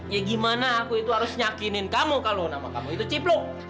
ya gimana aku itu harus nyakinin kamu kalau nama kamu itu ciplok